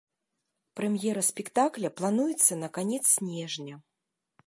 Прэм'ера спектакля плануецца на канец снежня.